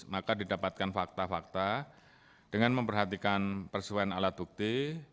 maka didapatkan fakta fakta dengan memperhatikan persesuaian alat bukti